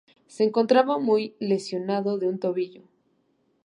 Se encontraba muy lesionado de un tobillo.